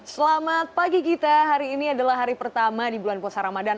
selamat pagi gita hari ini adalah hari pertama di bulan puasa ramadan